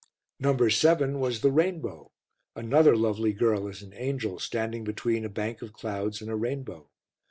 No. 7 was The Rainbow, another lovely girl as an angel standing between a bank of clouds and a rainbow.